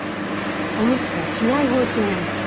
オムツはしない方針なので。